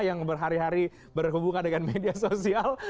yang berhari hari berhubungan dengan media sosial